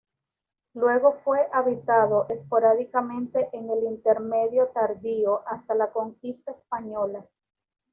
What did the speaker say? Luego fue habitado esporádicamente en el Intermedio Tardío, hasta la conquista española.